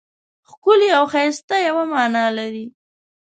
ښکلی او ښایسته یوه مانا لري.